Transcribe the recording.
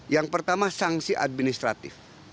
yang pertama sanksi administratif